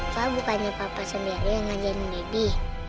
papa bukannya papa sendiri yang ngajarin baby